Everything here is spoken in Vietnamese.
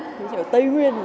ví dụ tây nguyên